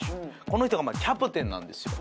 この人がキャプテンなんですよ。